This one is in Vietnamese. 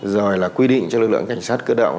rồi là quy định cho lực lượng cảnh sát cơ động